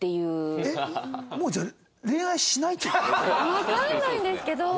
わかんないんですけど。